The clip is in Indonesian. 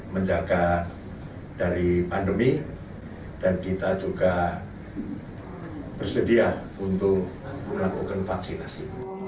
menjaga dari pandemi dan kita juga bersedia untuk melakukan vaksinasi